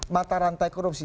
mata rantai korupsi